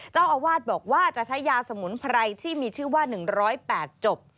เจ้าอาวาสบอกว่าจะใช้ยาสมุนไพรที่มีชื่อว่า๑๐๘จบ